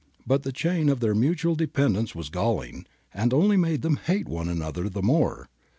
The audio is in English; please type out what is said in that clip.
But the chain of their mutual dependence was galling, and only made them hate one another the more.